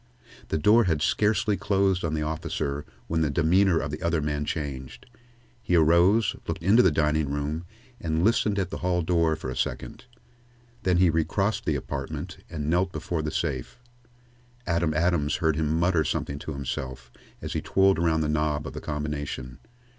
The door had scarcely closed on the officer when the demeanor of the other man changed. He arose, looked into the dining room, and listened at the hall doorway for a second. Then he recrossed the apartment and knelt before the safe. Adam Adams heard him mutter something to himself as he twirled around the knob of the combination.